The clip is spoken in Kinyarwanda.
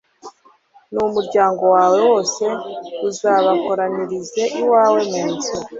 n'umuryango wawe wose uzabakoranyirize iwawe mu nzu